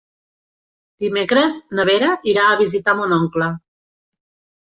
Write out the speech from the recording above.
Dimecres na Vera irà a visitar mon oncle.